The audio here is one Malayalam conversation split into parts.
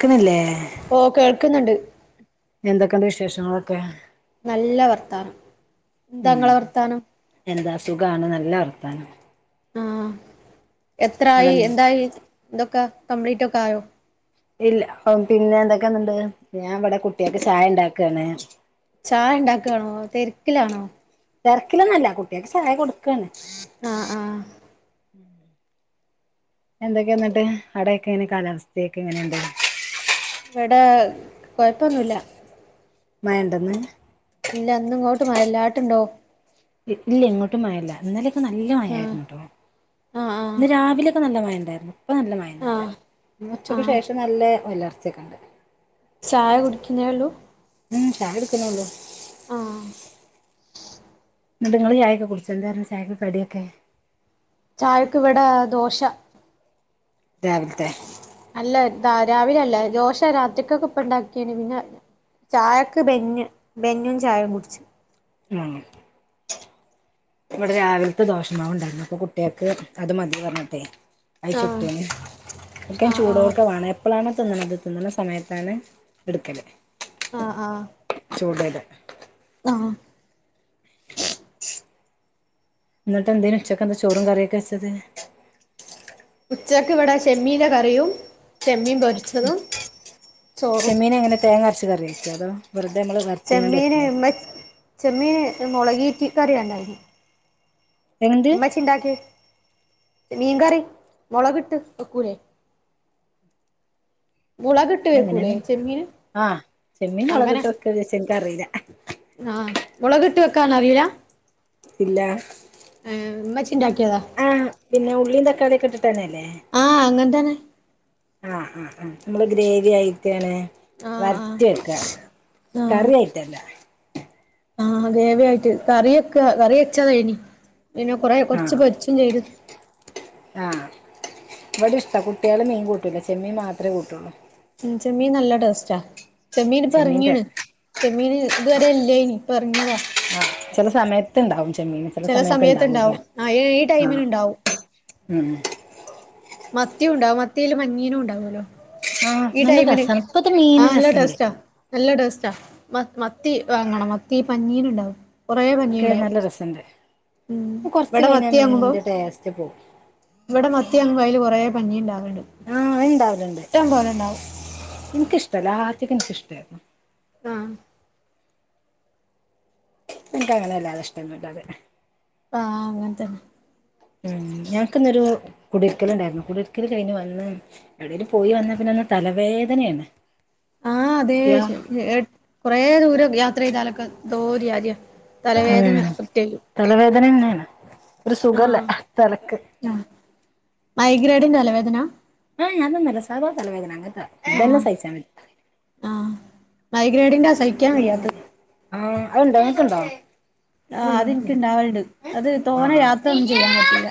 ക്ക്ണില്ലേ ഓഹ് കേൾക്ക്ന്ന്ണ്ട് എന്തൊക്കെയൊണ്ട് വിശേഷങ്ങളൊക്കെ നല്ല വർത്താനം ഉം എന്താങ്ങളെ വർത്താനം എന്താ സുഖാണ് നല്ല വർത്താനം ആഹ് ഇവിടെ എത്രായി എന്തായി ഇതൊക്ക കംപ്ലീറ്റൊക്കായോ ഇല്ലാ പ്പം പിന്നെ എന്തൊക്കെയൊന്ന്ണ്ട് ഞാൻ ഇവടെ കുട്ടിയേക്ക് ചായ ഇണ്ടാക്കാണ് ചായ ഇണ്ടാക്കാണോ തെരക്കിലാണോ തെരക്കിലൊന്നല്ല കുട്ടിയേക്ക് ചായ കൊട്ക്കാണ് ആഹ് ആഹ് എന്തൊക്കെയെന്നിട്ട് അവിടെയൊക്കെ എങ്ങനേ കാലാവസ്ഥയൊക്കെങ്ങനെയുണ്ട് വടെ കൊഴപ്പൊന്നുല്ല മയണ്ടന്ന് ഇല്ലന്നിങ്ങോട്ട് മയല്ല ആട്ട്ണ്ടോ ഇല്ല ഇങ്ങോട്ടും മഴല്ല ഇന്നലൊക്കെ നല്ല ആഹ് മഴായിരുന്നുട്ടോ ആഹ് ആഹ് ഇന്ന് രാവിലെക്കെ നല്ല മയണ്ടായിരുന്നു ഇപ്പൊ നല്ല മഴന്നുല്ല ആഹ് ഇന്ന് ഉച്ചയ്ക്ക് ആഹ് ശേഷം നല്ല ഒലർച്ചക്കെണ്ട് ചായ കുടിക്കുന്നേള്ളൂ ഉം ചായ കുടിക്കണൊള്ളൂ ആഹ് ന്നട്ട് ങ്ങള് ചായെക്കെ കുടിച്ചു എന്തായിരുന്നു ചായക്ക് കടിയൊക്കെ ചായക്ക് ഇവടെ ദോശ രാവിൽത്തെ അല്ലാ ദാ രാവിലെല്ല ദോശ രാത്രിക്കൊക്കെ ഇപ്പണ്ടാക്കീണ് പിന്നെ ചായക്ക് ബെന്ന് ബെന്നും ചായേം കുടിച്ച് ഊം ഇവിടെ രാവിലത്തെ ദോശമാവ്ണ്ടായിരുന്നു അപ്പൊ കുട്ടിയൾക്ക് അത് മതി പറഞ്ഞ്ട്ടെ ആഹ് അയിച്ചുട്ട ഒക്കെ ആഹ് ആഹ് ചൂടോട്ക്കെ വേണ അപ്പളാണ തിന്നണത് തിന്നണ സമയത്താണ് എടുക്കല് ആ- ആ [unintelligible] ആഹ ന്നിട്ട് എന്തേ ഉച്ചക്കെന്താ ചോറും കറിയൊക്കെ വെച്ചത് ഉച്ചക്ക് വടെ ചെമ്മീന്റെ കറിയും ചെമ്മി പൊരി- ഉം ചെമ്മീനെങ്ങനെ തേങ്ങ അരച്ച് കറി വെക്കേ അതോ വെർതെ ങ്ങള് വരട്ടിയാണ്ട് വെക്കെ ചെമ്മീൻ മുളകീറ്റി കറിയണ്ടായിരുന്ന എന്ത് മ്മച്ചിണ്ടാക്കി - മീൻകറി മൊളകിട്ട് വെക്കൂലെ മുളക ഇട്ട് വെക്കൂലേ എങ്ങനെയാണ് ചെമ്മീന് ആഹ് ചെമ്മീൻ അങ്ങനെ മുളകിട്ട് വെക്കാ വിചാരിച്ച് എനിക്കറിയില്ല ആഹ മുളകിട്ട് വെക്കാനറീല ഇല്ല ഏഹ മ്മച്ചിണ്ടാക്കിയതാ ആഹ് പിന്നെ ഉള്ളീം തക്കാളിയൊക്കെ ഇട്ടിട്ടന്നല്ലേ ആഹ അങ്ങനെ തന്നെ ആഹ് -ആ -ആ-മ്മള് ഗ്രേവി ആയിട്ടാണ് ആഹ് ആഹ് വരട്ടി വെക്കാ കറിയായിട്ടല്ല ആഹ ഗ്രേവിയായിട്ട് കറി വെക്ക കറി വെച്ചതേനി പിന്നെ കൊറെ കൊർച്ച് ആഹ് പൊരിച്ചും ചെയ്തു ആഹ് ഇവിടെ ഇഷ്ടാ കുട്ടിയള് മീൻ കൂട്ടൂല ചെമ്മീൻ മാത്രേ കൂട്ടുള്ളൂ ഉ ചെമ്മീൻ നല്ല ടേസ്റ്റാ ചെമ്മീനിപ്പ ചെമ്മീന്റെ റങ്ങിണ് ചെമ്മീന് ഇതുവരെ ഇല്ലേനി ഇപ്പ എർങ്ങിയതാ ചെല സമയത്ത്ണ്ടാവും ചെമ്മീന് ചെല സമയത്ത് ണ്ടാവൂല്ല സമയത്ത്ണ്ടാവും ആ ഈ ആ ഉം മത്തി ഉണ്ടാവും മത്തില് പഞ്ഞീനുണ്ടാവുല്ലോ ആഹ് ഈ നല്ല ടൈമിന് രസാണ് ഇപ്പത്തെ ആ മീന് നല്ല രസണ്ട് ടേസ്റ്റാ നല്ല ടേസ്റ്റാ മ മത്തി വാങ്ങണം മത്തി പഞ്ഞീന്ണ്ടാവും കൊറേ ഒക്കെ പഞ്ഞീണ്ടാവും നല്ല രസണ്ട് ഉം കൊർച്ച് ഇവിടെ കഴിഞ്ഞാ മത്തി വാങ്ങുമ്പോ മീന്റെ ടേസ്റ്റ് പോവും ഇവിടെ മത്തിയാങ്ങ്ബോ കൊറേ പഞ്ഞീണ്ടാവറുണ്ട് ആ ഇണ്ടാവല്ണ്ട് ഇൻക്കിഷ്ടല്ല അദ്യൊക്കെ നല്ലിഷ്ടാരുന്നു ആഹ ക്ക് അങ്ങനല്ലാത ഇഷ്ടോന്നില്ല [unintelligible] അങ്ങൻതന്നെ ഉം ഞങ്ങൾക്ക്ന്നൊരു കുടിര്ക്കല്ണ്ടായിരുന്നു കുടിര്ക്കല് കഴിഞ്ഞ് വന്ന് എവ്ടേലും പോയി വന്ന പിന്നെ അന്ന് തലവേദനയാണ് അതേ യാ ശെ കൊറേ ദൂരം യാത്രയ്താലൊക്കെ ന്തോര്കാര്യം ഉം തലവേദനന്നേണ് ഒരു സുഖല്ല തലക്ക് മ് മൈഗ്രേഡിന്റെലവേദന ഏയ് അതൊന്നല്ല സാധാ തലവേദന അങ്ങൻത്തെ ഇതെന്നെ ആഹ് സഹിച്ചാ വെ ആഹ് മൈഗ്രേഡിന്റെ സഹി ആഹ് അഹ്ണ്ടൊ ഇങ്ങക്ക്ണ്ടോ ആഹ് അത്ൻക് ഇണ്ടാവൽണ്ട് അത് ആഹ് തോനെ ആഹ് യാത്രന്നും ചെയ്യാൻ പറ്റൂല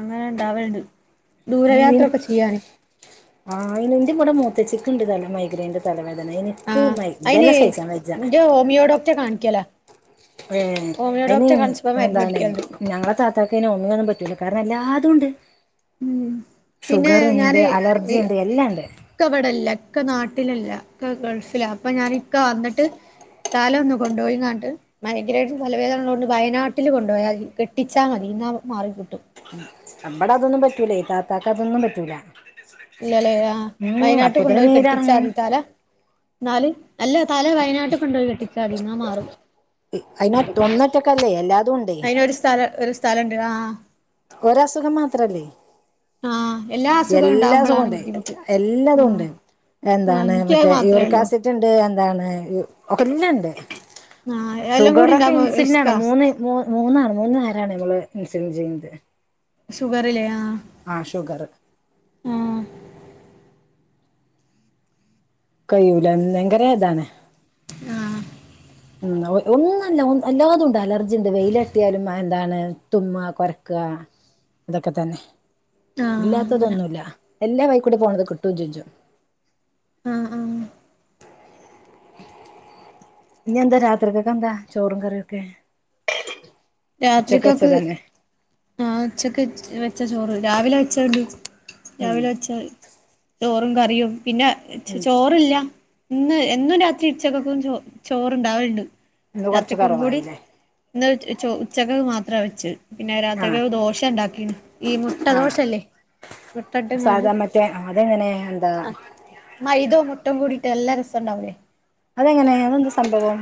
അങ്ങനെണ്ടാവൽണ്ട് ഉം ദൂരയാത്രൊക്കെചെയ്യാന് ആഹ് അയ്ന് ന്റെവ്ടെ മൂത്തച്ചിക്ക്ണ്ട് തല മൈഗ്രയിന്റെ തലവേദനയിന് ആഹ് അയിന് ന്റഹ് ഹോമിയോഡോക്റ്റെ കാണിക്കല ഏ അയിന് എന്താണ് കുടിക്കല്ണ്ട് ഞങ്ങളെ താത്താക്കയ്ന് ഹോമിയോന്നു പറ്റൂല കാരണല്ലാതുണ്ട് ഉം പിന്നെ ഷുഗറ്ണ്ട് ഞാന് ഈ അലർജിണ്ട് എല്ലാണ്ട് ഇക്ക ഇവ്ടെല്ല ഇ ക്ക നാട്ടിലല്ല ഇക്ക ഗൾഫില അപ്പൊ ഞാന് ഇക്ക വന്നിട്ട് തല ഒന്നു കൊണ്ടോയിങ്ങാണ്ട് മൈഗ്രേന്റെ തലവേദനള്ളോണ്ട് വയനാട്ടിൽ കൊണ്ടൊയാതി കെട്ടിച്ചാമതി ഇന്നാ മാറിക്കിട്ടും മഇബടെ അതൊന്നും പറ്റൂലേ താത്താക്ക് അതൊന്നും പറ്റൂല ഇല്ലലെ ആഹ് ഉം വയനാട്ട് അപ്പത്തിന് കൊണ്ടോയി നീരെറങ്ങും കെട്ടിച്ചാതി തല ന്നാല് അല്ല തല വയനാട്ട് കൊണ്ടോയി കെട്ടിച്ചാതി ഇന്നാ മാറും അയ് നൊ ഒന്നൊറ്റക്കെല്ലേ എല്ലാതും ഉണ്ടേ അയിനൊരു സ്ഥല ഒരു സ്ഥലണ്ട് ആഹ് ഒരസുഖം മാത്രല്ലേ ആ എല്ലാ അസുഖം എല്ലാ ഉണ്ടാവുമ്പോളാണ് അസുഖുണ്ട് ബുദ്ധിമുട്ട് ആ എല്ലതുണ്ട് ആ എന്താണ് എനിക്കത് മറ്റേ മാത്രേ ഉള്ളൂ യൂറിക്കാസിറ്റ്ണ്ട് എന്താണ് എല്ലണ്ട് ആഹ് എല്ലാം കൂടി ഷുഗറൊക്കെ ഉണ്ടാവുമ്പോ ഇൻസിലുന് ആണ് റിസ്കാ മൂന്ന് മൂ മൂന്നാണ് മൂന്ന് നേരാണ് നമ്മള് ഇൻസുലിൻ ചെയ്യുന്നത് ഷുഗറ് ലെ ആഹ് ആഹ് ഷുഗറ് കയ്യൂല ഭയങ്കര ഇതാണ് ആഹ് ഉം ഒന്നല്ല അല്ലാതുണ്ട് അലർജിണ്ട് വെയിലട്ടിയാലും അഹ്‌ എന്താണ് തുമ്മ കൊരക്ക ഇതൊക്കെ തന്നെ ആഹ് അങ്ങനെ ഇല്ലാത്തതൊന്നുല്ല എല്ലാ വൈക്കൂടെ പോണത് കിട്ടും ചെജ്ജും ആഹ് ആഹ് ഇനി എന്ത രാത്രിക്കെക്കെന്താ ചോറും കറിയൊക്കെ ഉച്ചക്ക് രാത്രിക്കെക്ക് വെച്ചത് തന്നെ ആഹ് ഉച്ചക്ക് വെച്ച ചോറ് രാവിലെ വച്ചേണ്ട് ഉം രാവിലെ വെച്ച ചോറും കറിയും പിന്നെ ഉം ചോറ് ഇല്ല ഇന്ന് എന്നും രാത്രി ഉച്ചക്കക്കും ചോ ചോറ്ണ്ടാവൽണ്ട് ഇന്ന് കൊറച്ച് രാത്രിക്കും കൂടി കുറവായില്ലേ ഇന്ന് ചോ ഉച്ചകക്ക് മാത്ര വെച്ച പിന്നെ ആഹ് രാത്രിക്കക്ക് ദോശണ്ടാക്കീണ് ഈ മുട്ട ആഹ് ദോശല്ലേ മുട്ട ഇട്ട്ങ്ങാണ്ട് സാധാ മറ്റേ അതെങ്ങനെ എന്താ മൈദേ മുട്ടകൂടിയിട്ട് നല്ല രസംണ്ടാവുലേ അതെങ്ങനെ അതന്ത് സംഭവം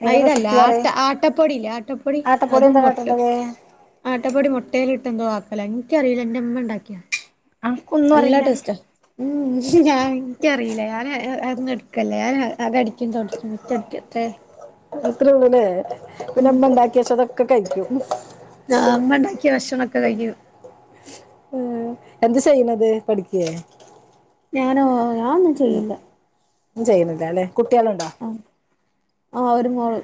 അയിന്റെ മൈദല്ല റെസിപ്പി പറി ആട്ട ആട്ടപ്പൊടില്ലേ ആട്ടപ്പൊടി അതും എന്താ മൊട്ടും കാട്ടേണ്ടത് ആട്ടപ്പൊടി മുട്ടേല്ട്ട് എന്തോ ആക്കല ഇൻക്കറീല ഇന്റെ ഇമ്മണ്ടാക്കിയാ. അനക്കൊന്നും നല്ല അറിയില്ല ടേസ്റ്റാ ഉം ഞാൻ ഇൻക്കറീല ഞാന് ഹ് അ അതൊന്നുട്ക്കല്ലെ ഞാൻ അകട് ക്കും തൊട്ക്കും മുറ്റ അടിക്കും അത്രെ അത്രൊള്ളുലെ പിന്നെ ഇമ്മണ്ടാക്കിയച്ചതൊക്കെ കഴിക്കും ഞ ഉമ്മ ഇണ്ടാക്കിയ ഭക്ഷണംക്കെ കഴിക്കും. എന്ത ചെയ്യണത് പഠിക്കേ? ഞാനോ ഞാനൊന്നും ചെയ്യില്ല. ഒന്നും ചെയ്യുന്നില്ലാലേ കുട്ട്യാള് ഉണ്ടോ? ഉം, ആ ഒരു മോള്.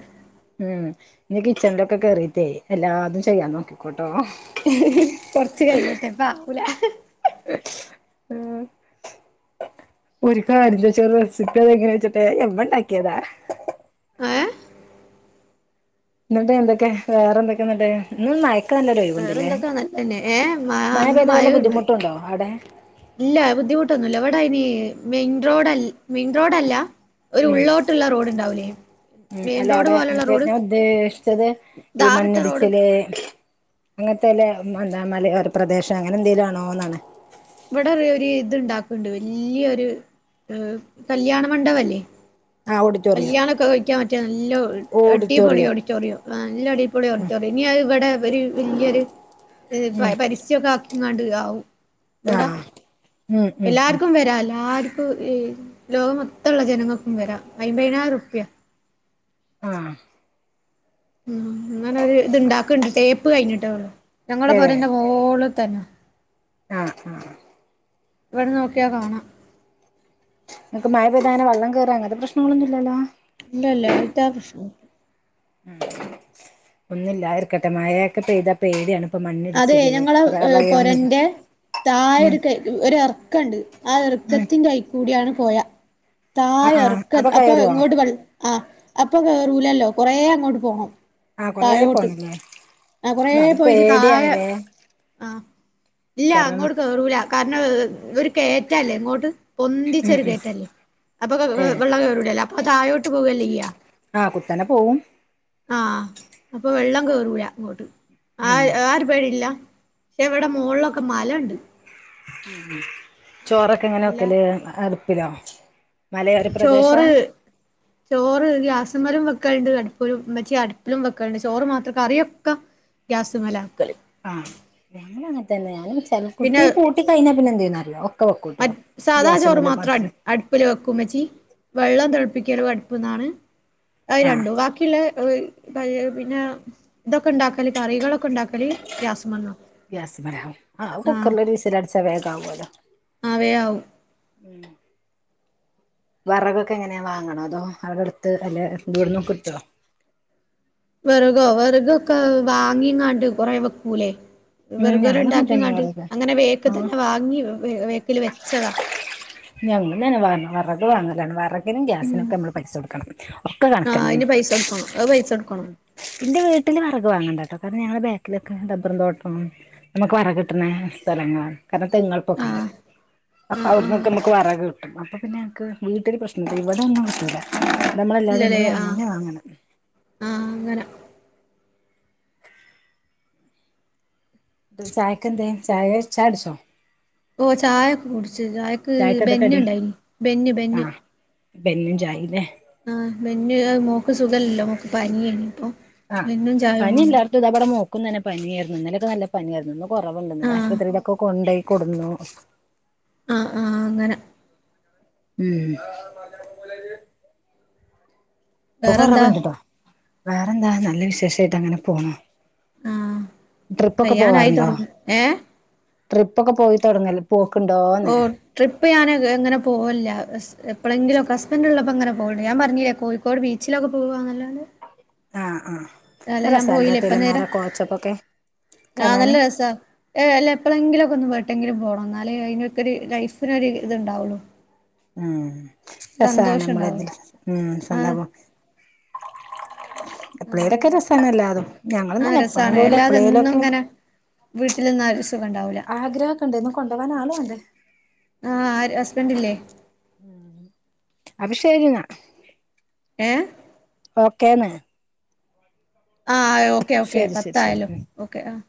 ഉം, ഇനി കിച്ചണിലൊക്കെ കേറിട്ടേ എല്ലാതും ചെയ്യാൻ നോക്കിക്കോട്ടോ. കൊറച്ച് കയ്യട്ടെ, ഇപ്പം ആവൂല ഉം ഒരു കാര്യല്ല ഒരു റസ്പ്പി എങ്ങനെ ചോയ്ച്ചിട്ടെ ഇമ്മ ഉണ്ടാക്കിയതാ. ഏഹ് ഇന്നിട്ട് എന്തൊക്കെ വേറെ എന്തൊക്കെങ്ങട്ട്? ഇന്ന് ഒക്കെ നല്ലൊരൊഴിവുണ്ടല്ലേ? വേറെന്തൊക്കെ നല്ലന്നെ ഏ മഴ അന്ന് പെയ്താ വല്ല ഉണ്ട് ബുദ്ധിമുട്ടുണ്ടോ അവിടെ? ഇല്ല ബുദ്ധിമുട്ടൊന്നുല്ല ഇവിടെ അയിന് മെയിൻ റോഡ മെയിൻ റോഡല്ല. ഒരു ഉം ഉള്ളോട്ടുള്ള റോഡ് ഉണ്ടാവുലേ ഉം, മെയിൻ അല്ല അവിടെ മറ്റേ ഞാൻ ഉദ്ദേശിച്ചത് ഈ ടാറിട്ട റോഡ് മണ്ണിടിച്ചല്. അങ്ങനത്തെല്ല എന്താ മലയോര പ്രദേശം അങ്ങനെ എന്തേലും ആണോ എന്നാണ് ഇവിടെ ഒരു ഇത്ണ്ടാക്കണ്ട് വലിയൊരു ഏഹ് കല്യാണ മണ്ഡപല്ല്യെ ആ ഓഡിറ്റോറിയം കല്യാണക്കെ കഴിക്കാൻ പറ്റിയ നല്ല ഓ അടിപൊളി ഓഡിറ്റോറിയം ഓഡിറ്റോറിയം! ആ, നല്ല അടിപൊളി ഓഡിറ്റോറിയം. ഇനി അത് വടെ വര് വല്യൊരു... ഹ് പ ഉം പരസ്യൊക്കെ ആക്കിങ്ങാണ്ട് ആവും. ആ വ്ടാ ഉം ഉം ഉം എല്ലാർക്കും വര ല്ലാർക്കും ഹ് ഈ ലോക മൊത്തള്ള ജനങ്ങക്കും വരാ, അയിപയ്നായിരം റുപ്യ. ആഹ് ഉം, ങ്ങനൊര് ത് ണ്ടാക്കണ്ട്. തേപ്പ് കഴിഞ്ഞിട്ടേ ഒള്ളു, ഞങ്ങളെ ഏ പൊരന്റെ മോള് തന്ന. ആഹ് ആഹ് ഇവിടെന്നോക്കിയാ കാണാം. ങ്ങക്ക് മഴ പൈതാങ്ങന വള്ളംകേറാ അങ്ങൻത്തെ പ്രശ്നങ്ങളൊന്നുല്ലല്ലോ? ഇല്ലല്ല, അയ്റ്റാ പ്രശ്നഒന്നുല്ല. ഒന്നുല്ലാതിരിക്കട്ടെ, മഴയൊക്കെ പെയ്താ പേടിയാണ്, പ്പ അതെ മണ്ണിടിച്ചില് പ്രളയം ഉം താഴൊരു ക ഒരു എർക്കണ്ട്, ആ ഉം എർക്കത്തിന്റയ് കൂട്യാണ് പൊഴ, ആ താഴെ ആ എറക്ക അപ്പൊ കയറുവോ ഇങ്ങോട്ട് വെ ആഹ്, അപ്പൊ കേറൂലല്ലോ. കൊറേ അങ്ങോട്ട് പോണം ആഹ് കൊറെ താഴോട്ട് പോണല്ലേ? ആ കൊറേ ന്നാലും പോയിട്ട് പേട്യാണ്. താഴെ ലേ? ആഹ്, ഇല്ലാ അങ്ങോട്ട് കേറൂല. കാരണം ഒര് കേറ്റല്ലേ ഇങ്ങോട്ട്? ഉം പൊന്തിച്ചൊരു ഉം കേറ്റല്ലേ, അപ്പൊ ഏ വെള്ളം കയറൂലല്ല, അപ്പൊ താഴോട്ട് പോവല്ലേ ചെയ്യ. ആഹ്, കുത്തനെ പോവും. ആഹ്, അപ്പൊ വെള്ളം കേറൂല ഇങ്ങോട്ട്, ഉം ആഹ് ആഒരു പേടില്ല. ന്നെവിടെ മോൾലൊക്കെ മലണ്ട്. ഉം.. ചോറൊക്കെങ്ങനെ നല്ല വെക്കല് അടുപ്പിലോ? മലയോര പ്രദേശ ചോറ്... ചോറ് ഗ്യാസ്മ്മലും വെക്കൽണ്ട്, അടുപ്പ്‌ലും മച്ചി അടുപ്പിലും വെക്കൽണ്ട്, ചോറ് മാത്രം കറിയൊക്ക... ഗ്യാസ് മലാ വെക്കല്. ആഹ്, ഞങ്ങളങ്ങൻതന്നെ ഞാൻ പിന്നെ ചെ തീ പൂട്ടി കഴിഞ്ഞാ പിന്നെ എന്തെയ്യുന്നറിയോ? ക്കൊ വെക്കുട്ടോ, ഗ്യാസമലക്കാട്ടിലും ടുപ്പല് വെക്കുമ്മച്ചി, വെള്ളം തെളപ്പിക്കലു അടുപ്പ്ന്നാണ്, അത് ആ രണ്ടും. ബാക്കിള്ളെ... പിന്നെ തൊക്കെ ഉണ്ടാക്കല് കറികളൊക്കെ ഉണ്ടാക്ക ഗ്യാസ്മല, ആഹ് ആ കുക്കർലൊരു വിസിലടിച്ച വേഗാവോലൊ. ആഹ് വേആവും. ഉം. വറകൊക്കെ എങ്ങനെയാ വാങ്ങണ തോ? അടെടുത്ത് അല്ലെ വീട്ന്ന് ക്ട്ടോ? വെറകോ? വെറ്കൊക്കെ വാങ്ങിങ്ങാണ്ട് കൊറേ വെക്കൂലേ? ഉം വെർഗര ഞങ്ങളും അങ്ങനെ തന്നെ ണ്ടാക്കിങ്ങാണ്ട്. വിറക് അങ്ങനെ വേക്ക് ആഹ് തന്നെ വാങ്ങി വേക്കിൽ വെച്ചതാ ഞങ്ങുന്നെ വിറക് വാങ്ങലാണ്. വിറകിനും ഗ്യാസിനോക്കെ നമ്മള് പൈസ കൊടുക്കണം. ഒക്കെ കണക്ക് ആഹ് അയിന് പൈസൊട്ക്കണം. അത് പൈസൊട്ക്കണം ന്റെ വീട്ടില് വെറക് വാങ്ങണ്ട ട്ടോ. കാരണം ഞങ്ങളെ ബേക്കിലൊക്കെ റബ്ബറും തോട്ടണ് നമുക്ക് വെറക് കിട്ടുന്ന സ്ഥലങ്ങളാണ്. കാരണം ആ തെങ്ങൾപ്പൊക്കൊണ്ട് അപ്പ ആ ആ ഔട്ന്നൊക്കെമ്മക്ക് വറക് കിട്ടും. അപ്പ പിന്നെ ഞങ്ങക്ക് വീട്ടില് പ്രശ്നംല്ല. ഇവടെന്നും കിട്ടൂല നമ്മളല്ലാതെ ഇല്ലലേ, നമ്മള് ആഹ് വാങ്ങന്നെ വാങ്ങണം ആഹ് അങ്ങന ന്തേ ചായക്കെന്തേ ചായട്ച്ചോ ഓഹ് ചായൊക്കെ കുടിച്ച്, ചായക്ക് ചായക്കെന്താ ബെന്ന് ണ്ടായിനി, ബെന്ന് ബെന്ന് ബെന്നും ചായീ ലേ ആഹ് ബെന്ന്, അത് മോക്ക് സുഖല്ലല്ലോ, മോക്ക് പനിയേനിപ്പൊ ആഹ് പനി ഇല്ലാടുത്തും താ ബടെ മോക്കും തന്നെ പനി ആയിരുന്നു. ഇന്നലെക്കെ നല്ല പനിയായിരുന്നു. ഇന്ന് കൊറവ്ണ്ട് ഇന്നലെ ആഹ് ആശുപത്രീലൊക്കെ കൊണ്ടോയി കൊടുന്നു ആഹ് ആഹ് അങ്ങന ഉം ഇപ്പൊ വേറെന്താ കൊറവിണ്ട്ട്ടോ വേറെന്താ നല്ല വിശേഷായിട്ട് അങ്ങനെ പോണു ആഹ് ട്രിപ്പൊക്കെ കയ്യാനായി പോവാറിണ്ടോ തുടങ്ങി ഏഹ് ട്രിപ്പൊക്കെ പോയിത്തൊടങ്ങൽ ഓ പോക്കിണ്ടോന്ന് ട്രിപ്പ് ഞാൻ ക് അങ്ങനെ പോവല്ല അസ് എപ്പളെങ്കിലൊക്കെ ഹസ്ബൻ്റ് ഇള്ളപ്പോ അങ്ങനെ പോകിണ്ട് ഞാൻ പർഞ്ഞിലേ കോഴിക്കോട് ബീച്ചിലൊക്കെ പോക എന്നല്ലാണ്ട് ആഹ് ആഹ് അല്ലെ ഞാൻ രസാണല്ലേ പോലില്ല ഇപ്പ നേര തിലമാര കോച്ചപ്പൊക്കെ ആഹ് നല്ല കാണാന് രസാ ഏഹ് അല്ല എപ്പളെങ്കിലൊക്കെ ഒന്ന് ഒരട്ടെങ്കിലു പോണം ഇന്നാലേ അയിനൊക്ക ഒര് ലൈഫിന് ഒര് ഇതിണ്ടാവൊള്ളു ഉം രസാണ് ഉണ്ടാവും അമ്മളെതിൽ ഉം സ്വന്തം ആഹ് പൊ എപ്പ്ളേലൊക്കെ രസാണെല്ലാതും ആഹ് ഞങ്ങളുന്തന്നെ എപ്പ്ളേങ്കിലും എപ്പ്ളേലൊക്കെ വീട്ടിലിന്ന ആഹ് ഒര് സുഖണ്ടാവ്ല വണ്ടിമ്മെ കൊണ്ടോകാൻ ആള് വാണ്ടേ ആഹ് ആര് ഹസ്ബന്റില്ലേ അപ്പ ശരിന്നാ ഏഹ് ഓക്കേന്ന് ആഹ് ഓക്കേ ഓക്കെ ശരി ശരി പത്തായ്ലു ശരി ഓക്കെ ആഹ്